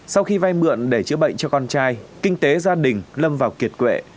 sau khi vay mượn để chữa bệnh cho con trai kinh tế gia đình lâm vào kiệt quệ